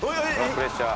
プレッシャー。